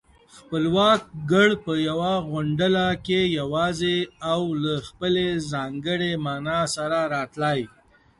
خپلواک گړ په يوه غونډله کې يواځې او له خپلې ځانګړې مانا سره راتلای